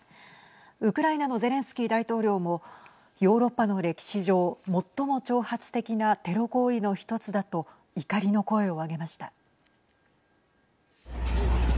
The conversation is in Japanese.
ウクライナのゼレンスキー大統領もヨーロッパの歴史上最も挑発的なテロ行為の一つだと怒りの声を上げました。